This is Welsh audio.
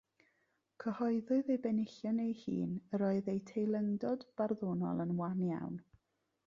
Cyhoeddodd ei benillion ei hun yr oedd eu teilyngdod barddonol yn wan iawn.